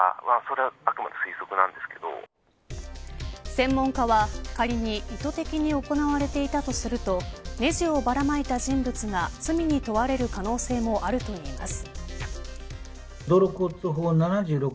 専門家は仮に意図的に行われていたとするとねじをばらまいた人物が罪に問われる可能性もあるといいます。